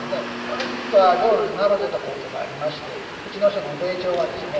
私実は浄瑠璃習うてたことがありましてうちの師匠の米朝がですね